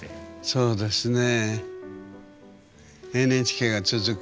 そうですね。